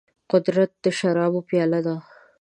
قدرت د شرابو پياله ده.